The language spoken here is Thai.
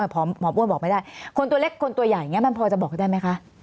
พอหมอบ้วนบอกไม่ได้คนตัวเล็กคนตัวใหญ่มันพอจะบอกได้ไหมคะ